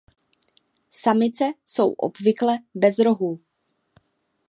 Samice jsou obvykle bez rohů.